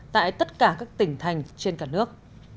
tại tất cả các tỉnh thành trên cả nước